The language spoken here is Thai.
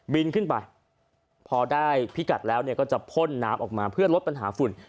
บินขึ้นไปพอได้พิกัดแล้วก็จะพ่นน้ำออกมาเพื่อลดปัญหาฝุ่น